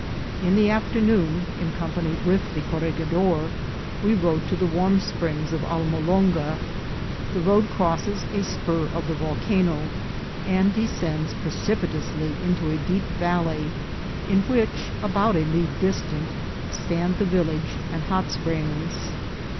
In the afternoon, in company with the corregidor, we rode to the warm springs of Almolonga. The road crosses a spur of the volcano, and descends precipitous ly into a deep valley, in which, about a league distant, stand the village and hot springs.